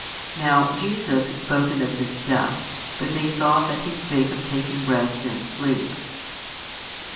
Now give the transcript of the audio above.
Now Jesus had spoken of his death; but they thought that He spake of taking rest in sleep.